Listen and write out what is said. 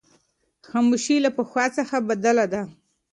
خاموشي له پخوا څخه بدله ده.